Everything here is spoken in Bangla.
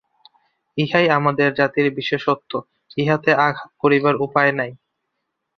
ইহাই আমাদের জাতির বিশেষত্ব, ইহাতে আঘাত করিবার উপায় নাই।